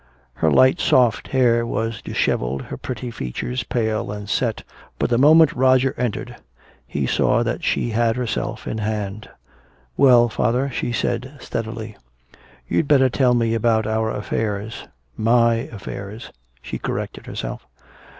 Her light soft hair was disheveled, her pretty features pale and set. But the moment Roger entered he saw that she had herself in hand. "Well, father," she said steadily. "You'd better tell me about our affairs. My affairs," she corrected herself.